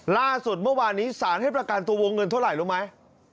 ล่าสุดเมื่อวานนี้สารให้ประกันตัววงเงินเท่าไหร่รู้ไหม